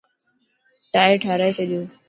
ٽائر ٺارائي ڇڏيو؟